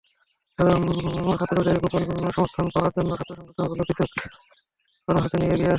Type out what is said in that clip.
সাধারণ ছাত্রদের সমর্থন পাওয়ার জন্য ছাত্রসংগঠনগুলো কিছু কর্মসূচি নিয়ে এগিয়ে আসে।